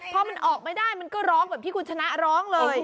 พอมันออกไม่ได้มันก็ร้องแบบที่คุณชนะร้องเลย